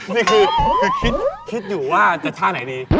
นี่คือคิดอยู่ว่าจะท่าไหนดี